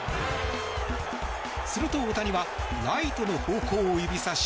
すると、大谷はライトの方向を指さし